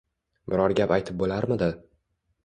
Biror gap aytib bo‘larmidi.